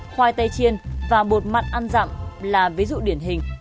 khoai tây chiên và bột mặn ăn dặm là ví dụ điển hình